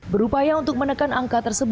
berupaya untuk menekan angka